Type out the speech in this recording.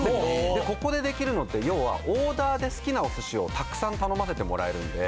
ここで出来るのって要はオーダーで好きなお寿司をたくさん頼ませてもらえるんで。